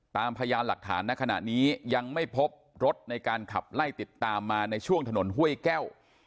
พยานหลักฐานในขณะนี้ยังไม่พบรถในการขับไล่ติดตามมาในช่วงถนนห้วยแก้ว